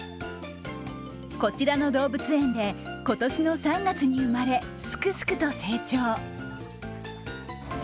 こちらの動物園で今年の３月に生まれ、すくすくと成長。